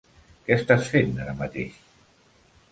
Què estàs fent ara mateix?